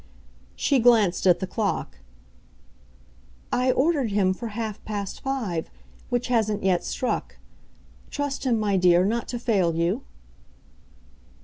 She glanced at the clock. "I 'ordered' him for half past five which hasn't yet struck. Trust him, my dear, not to fail you!"